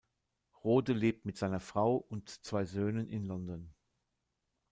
Rhode lebt mit seiner Frau und zwei Söhnen in London.